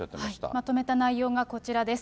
まとめた内容がこちらです。